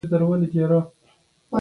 استاد فضلي هم پروت و خو بيده نه و.